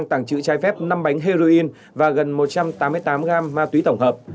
hàng chữ trái phép năm bánh heroin và gần một trăm tám mươi tám gram ma túy tổng hợp